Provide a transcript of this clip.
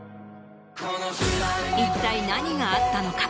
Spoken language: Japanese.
一体何があったのか？